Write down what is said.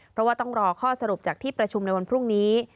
เพราะว่าต้องรอข้อสรุปจากที่ประชุมในวันพรุ่งนี้